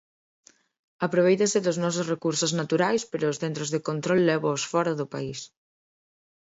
Aprovéitase dos nosos recursos naturais, pero os centros de control lévaos fóra do país.